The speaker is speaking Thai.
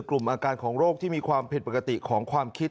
กลุ่มอาการของโรคที่มีความผิดปกติของความคิด